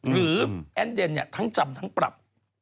หรือแอ้นเจนทั้งจำทั้งปรับ